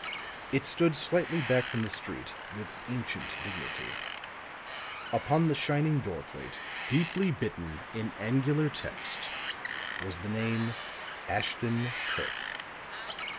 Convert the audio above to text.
It stood slightly back from the street with ancient dignity; upon the shining door plate, deeply bitten in angular text, was the name "Ashton Kirk."